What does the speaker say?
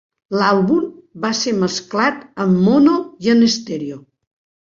L'àlbum va ser mesclat en mono i en estèreo.